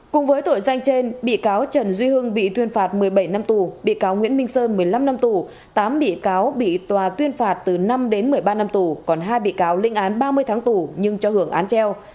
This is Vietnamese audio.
cùng với tội danh trên bị cáo trần duy hưng bị tuyên phạt một mươi bảy năm tù bị cáo nguyễn minh sơn một mươi năm năm tù tám bị cáo bị tòa tuyên phạt từ năm đến một mươi ba năm tù còn hai bị cáo linh án ba mươi tháng tù nhưng cho hưởng án treo